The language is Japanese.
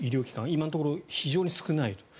今のところ非常に少ないと。